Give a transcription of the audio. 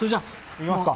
行きますか。